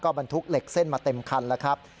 บรรทุกเหล็กเส้นมาเต็มคันแล้วครับ